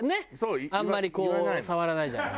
あんまりこう触らないじゃない。